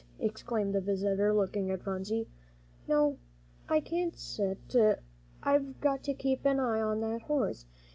exclaimed the visitor, looking at Phronsie. "No, I can't set; I've got to keep an eye on that horse."